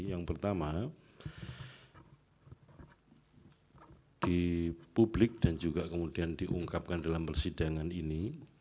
yang pertama di publik dan juga kemudian diungkapkan dalam persidangan ini